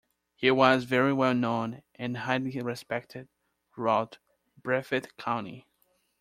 He was very well-known and highly respected, throughout Breathitt County.